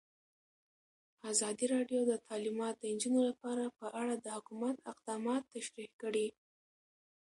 ازادي راډیو د تعلیمات د نجونو لپاره په اړه د حکومت اقدامات تشریح کړي.